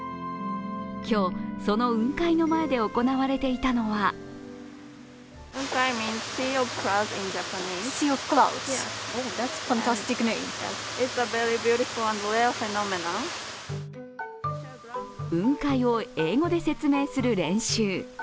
今日、その雲海の前で行われていたのは雲海を英語で説明する練習。